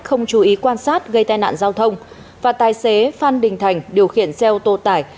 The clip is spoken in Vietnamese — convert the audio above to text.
không chú ý quan sát gây tai nạn giao thông và tài xế phan đình thành điều khiển xe ô tô tải